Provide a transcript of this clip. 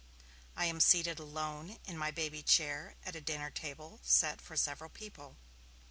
I am seated alone, in my baby chair, at a dinner table set for several people.